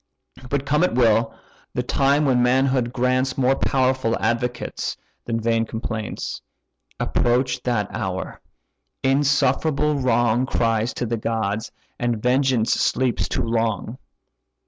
But come it will, the time when manhood grants More powerful advocates than vain complaints. Approach that hour! insufferable wrong Cries to the gods, and vengeance sleeps too long.